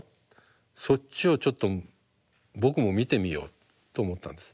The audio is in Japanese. そっちをちょっと僕も見てみよう」と思ったんです。